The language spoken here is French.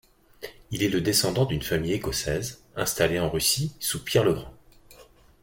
Il est le descendant d'une famille écossaise installée en Russie sous Pierre le Grand.